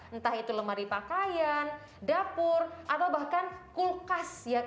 entah itu lemari pakaian dapur atau bahkan kulkas